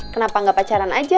kenapa gak pacaran aja